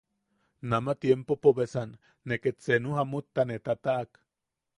Nama tiempopo beasan ne ket senu jamutta ne tataʼak.